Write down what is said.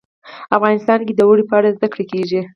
افغانستان کې د اوړي په اړه زده کړه کېږي.